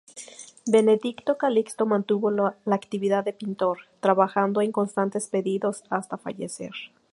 Benedicto Calixto mantuvo la actividad de pintor, trabajando en constantes pedidos, hasta fallecer.